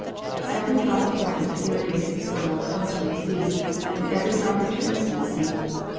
^' Every drop of water that irrigates the soil comes from the sea, and every drop returns to the sea.